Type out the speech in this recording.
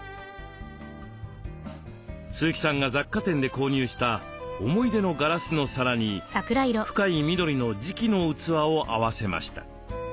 鈴木さんが雑貨店で購入した思い出のガラスの皿に深い緑の磁器の器を合わせました。